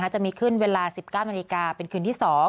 จะมีขึ้นเวลา๑๙นาฬิกาเป็นคืนที่๒